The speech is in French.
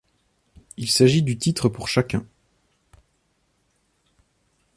Il s'agit du titre pour chacun.